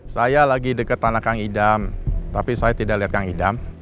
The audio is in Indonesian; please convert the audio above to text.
saya lagi dekat tanah kang idam tapi saya tidak lihat kang idam